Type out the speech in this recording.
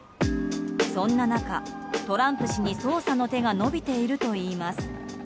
そんな中、トランプ氏に捜査の手が伸びているといいます。